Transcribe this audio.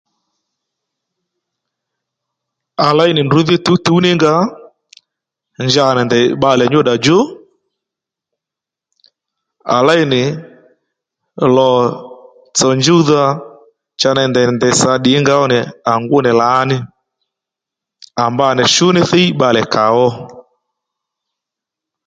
À léy nì ndrǔ dhí tǔwtǔw ní nga njanì ndèy bbalè nyú ddà djú à léy nì lò tsò njúwdha cha ney ndèy nì ndèy sǎ ddǐnga ónì à ngú nì lǎní à mba nì shú ní thíy bbalè kàó